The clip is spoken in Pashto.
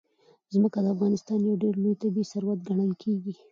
ځمکه د افغانستان یو ډېر لوی طبعي ثروت ګڼل کېږي.